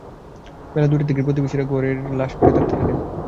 বেলা দুইটার দিকে প্রতিবেশীরা ঘরের মেঝেতে তাঁর লাশ পড়ে থাকতে দেখেন।